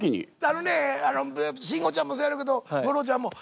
あのね慎吾ちゃんもそうやろうけど吾郎ちゃんも。